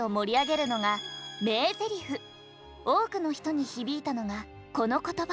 アニメの多くの人に響いたのがこの言葉。